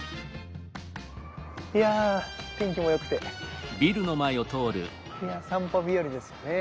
いや天気も良くていや散歩日和ですよね。